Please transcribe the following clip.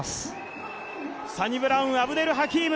サニブラウン・アブデルハキーム